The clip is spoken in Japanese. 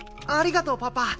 ありがとうパパ。